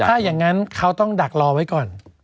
ถ้าอย่างนั้นเขาต้องดักรอไว้ก่อน